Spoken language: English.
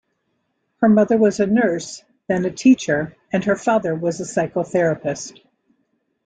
Her mother was a nurse, then a teacher, and her father was a psychotherapist.